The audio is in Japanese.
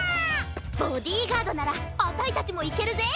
ボディーガードならあたいたちもいけるぜ！